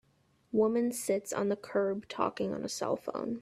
Woman sits on the curb talking on a cellphone.